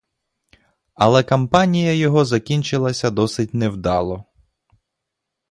Але кампанія його закінчилася досить невдало.